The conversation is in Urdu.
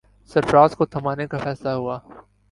سرفراز کو تھمانے کا فیصلہ ہوا۔